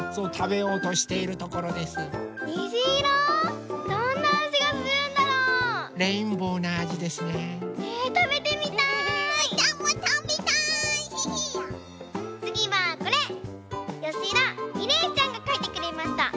よしだみれいちゃんがかいてくれました。